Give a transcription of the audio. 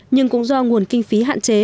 nhưng cũng do nguồn kinh phí hạn chế